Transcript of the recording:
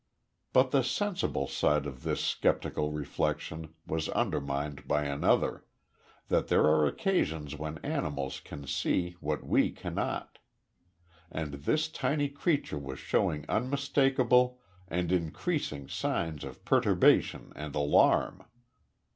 But the sensible side of this sceptical reflection was undermined by another that there are occasions when animals can see what we cannot. And this tiny creature was showing unmistakable and increasing signs of perturbation and alarm.